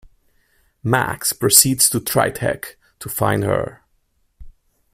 Max proceeds to Tritech to find her.